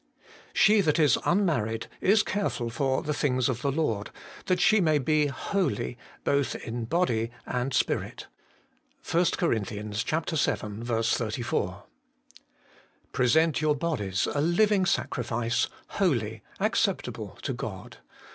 She that is unmarried is careful for the things of the Lord, that she may be holy both in body and spirit.' 1 COR. vii. 34. 'Present your bodies a living sacrifice, holy, acceptable to God.'